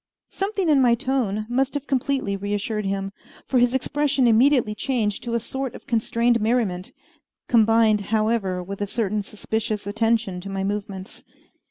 Something in my tone must have completely reassured him, for his expression immediately changed to a sort of constrained merriment, combined however, with a certain suspicious attention to my movements.